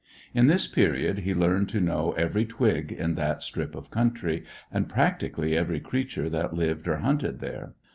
In this period he learned to know every twig in that strip of country, and practically every creature that lived or hunted there.